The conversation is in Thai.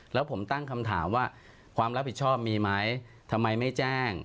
แล้วผมตั้งคำถามว่าความรับผิดชอบมีไหมทำไมไม่แจ้ง